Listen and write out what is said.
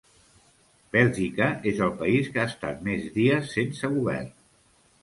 Bèlgica és el país que ha estat més dies sense govern